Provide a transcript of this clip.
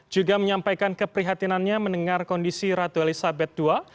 juga menyampaikan keprihatinannya mendengar kondisi ratu elizabeth ii